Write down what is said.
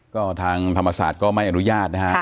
ก็ทางธรรมศาสตร์ก็ไม่อนุญาตนะฮะ